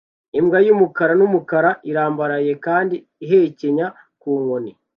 Imbwa yumukara numukara irambaraye kandi ihekenya ku nkoni